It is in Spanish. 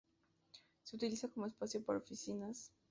Se utiliza como espacio para oficinas, comercios y residencias.